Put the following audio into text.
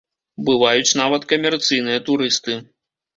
Бываюць нават камерцыйныя турысты.